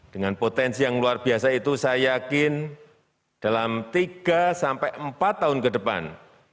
dengan potensi yang luar biasa itu saya yakin dalam tiga sampai empat tahun ke depan